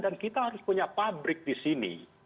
dan kita harus punya pabrik di sini